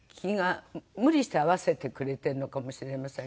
無理して合わせてくれてるのかもしれませんけど。